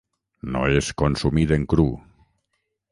No és consumit en cru.